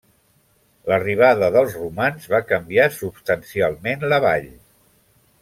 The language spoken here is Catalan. L'arribada dels romans va canviar substancialment la vall.